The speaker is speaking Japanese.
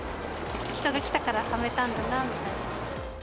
人が来たからはめたんだなみたいな。